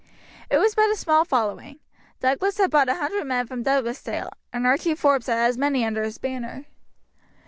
It was but a small following. Douglas had brought 100 men from Douglasdale, and Archie Forbes had as many under his banner.